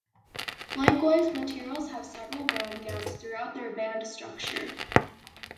Likewise, materials have several band gaps throughout their band structure.